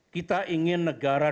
kita ingin negara